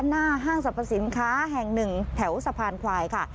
หน้าห้างสรรพสินค้าแห่ง๑แถวสะพานควายค่ะ